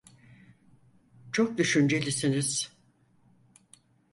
Çok düşüncelisiniz.